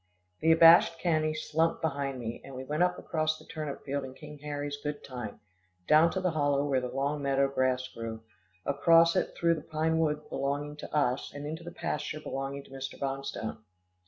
The abashed Cannie slunk behind me, and we went up across the turnip field in King Harry's good time, down to the hollow where the long meadow grass grew, across it through the pinewood belonging to us, and into the pasture belonging to Mr. Bonstone.